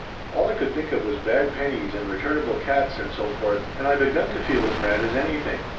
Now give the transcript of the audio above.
All I could think of was bad pennies and returnable cats, and so forth, and I begun to feel as mad as anything.